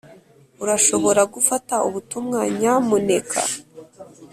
urashobora gufata ubutumwa nyamuneka?